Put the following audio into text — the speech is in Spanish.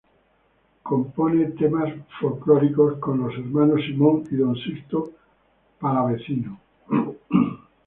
Compone temas folclóricos con Los Hermanos Simón y Don Sixto Palavecino.